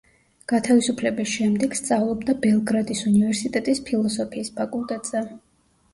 გათავისუფლების შემდეგ, სწავლობდა ბელგრადის უნივერსიტეტის ფილოსოფიის ფაკულტეტზე.